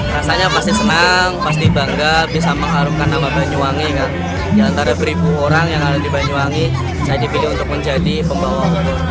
rasanya pasti senang pasti bangga bisa mengharumkan nama banyuwangi diantara seribu orang yang ada di banyuwangi saya dipilih untuk menjadi pembawa